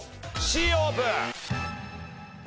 Ｃオープン。